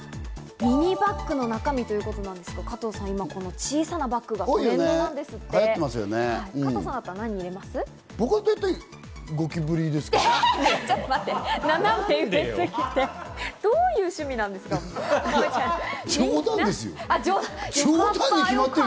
ミニバッグの中身ということなんですけど加藤さん、今この小さなバッグが人気なんですって。